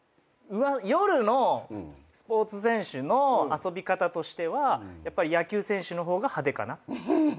夜のスポーツ選手の遊び方としてはやっぱり野球選手の方が派手かな。